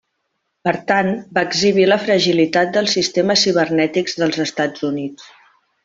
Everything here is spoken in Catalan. Per tant, va exhibir la fragilitat dels sistemes cibernètics dels Estats Units.